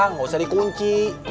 nggak usah dikunci